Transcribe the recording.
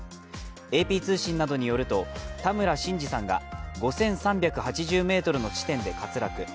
ＡＰ通信などによるとタムラ・シンジさんが５３８０ｍの地点で滑落。